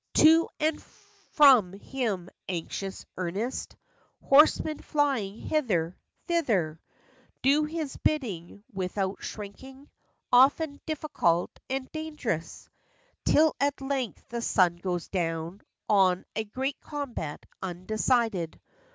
To and from him, anxious, earnest, Horsemen flying hither, thither, Do his bidding without shrinking, Often difficult and dang'rous ; Till at length the sun goes down on A great combat undecided.